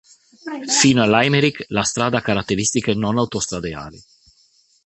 Fino a Limerick, la strada ha caratteristiche non autostradali.